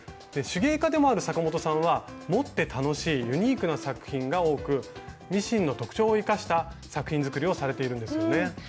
手芸家でもある阪本さんは持って楽しいユニークな作品が多くミシンの特徴を生かした作品作りをされているんですよね。